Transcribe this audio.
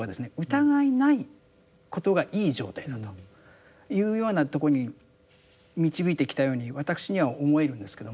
疑いないことがいい状態だというようなとこに導いてきたように私には思えるんですけども。